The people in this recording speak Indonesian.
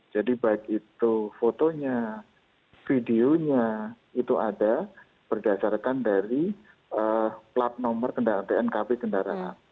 jadi baik itu fotonya videonya itu ada berdasarkan dari plat nomor tnkb kendaraan